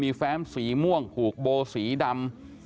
มีแฟ้มสีม่วงผูกโบสีดำ